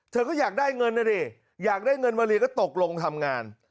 เธอก็อยากได้เงินนะดิอยากได้เงินมาเรียนก็ตกลงทำงาน